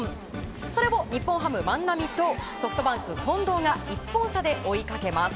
それを日本ハム、万波とソフトバンク、近藤が１本差で追いかけます。